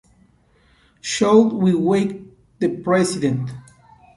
Should we wake the President?